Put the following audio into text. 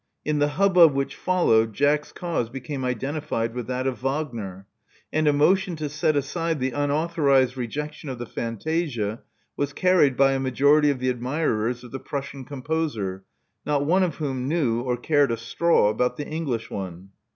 In the hubbub which followed, Jack's cause became identified with that of Wagner; and a motion to set aside the unauthorized rejection of the fantasia was carried by a majority of the admirers of the Prussian composer, not one of v/hom knew or cared a straw about the English one.